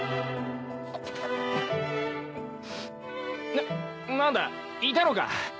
な何だいたのか。